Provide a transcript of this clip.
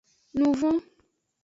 Nuvon.